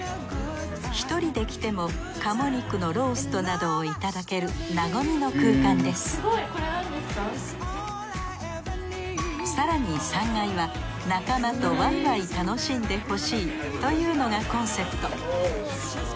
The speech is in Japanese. １人で来ても鴨肉のローストなどをいただけるなごみの空間です更に３階は仲間とわいわい楽しんでほしいというのがコンセプト。